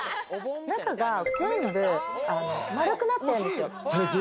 中が全部、丸くなってるんですよ。